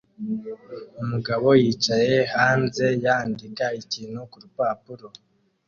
Umugabo yicaye hanze yandika ikintu kurupapuro